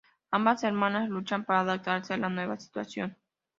Ambas hermanas luchan para adaptarse a la nueva situación.